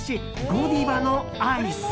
ゴディバのアイス。